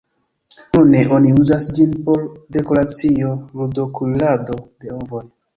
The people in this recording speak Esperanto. Nune oni uzas ĝin por dekoracio, ludo, kuirado de ovoj.